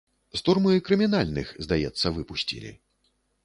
З турмы крымінальных, здаецца, выпусцілі.